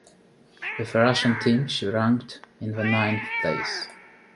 With the Russian team she ranked in ninth place.